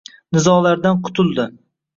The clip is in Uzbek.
Nizolardan qutuldi.